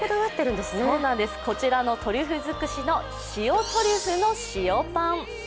こちらのトリュフ尽くし白トリュフの塩パン。